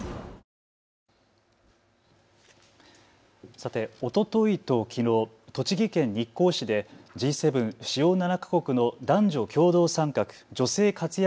さて、おとといときのう栃木県日光市でＧ７・主要７か国の男女共同参画・女性活躍